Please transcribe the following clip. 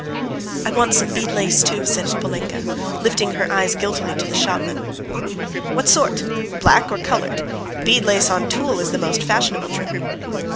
"I want some bead lace, too," says Polinka, lifting her eyes guiltily to the shopman. "What sort? Black or coloured? Bead lace on tulle is the most fashionable trimming."